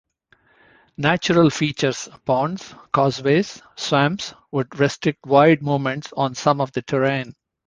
Natural features-ponds, causeways, swamps-would restrict wide movements on some of the terrain.